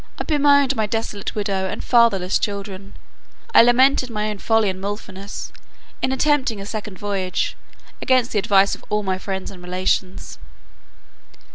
I bemoaned my desolate widow and fatherless children. I lamented my own folly and wilfulness, in attempting a second voyage, against the advice of all my friends and relations.